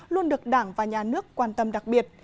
luôn được đảng và nhà nước quan tâm đặc biệt